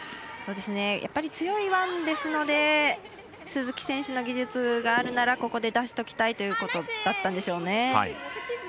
やっぱり強いワンですので鈴木選手の技術があるならここで出しときたいということだったんでしょうね。